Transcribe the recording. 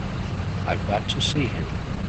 I've got to see him.